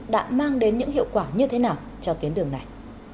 đã mang đến những hiệu quả như thế nào cho tuyến đường này